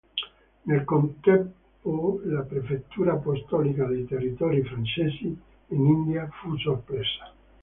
Nel contempo la prefettura apostolica dei territori francesi in India fu soppressa.